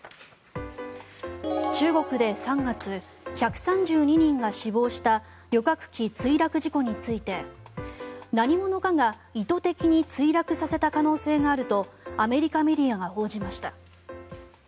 中国で３月１３２人が死亡した旅客機墜落事故について何者かが意図的に墜落させた可能性があるとアメリカメディアが報じました。